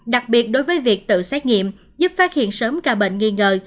đặc biệt đối với việc tự xét nghiệm giúp phát hiện sớm ca bệnh nghi ngờ